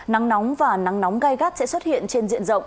nắng nóng và nắng nóng gai gắt sẽ xuất hiện trên diện rộng